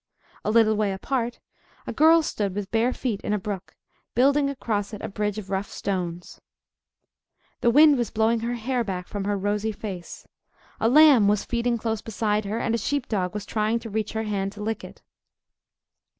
A little way apart, a girl stood with bare feet in a brook, building across it a bridge of rough stones. The wind was blowing her hair back from her rosy face. A lamb was feeding close beside her; and a sheepdog was trying to reach her hand to lick it.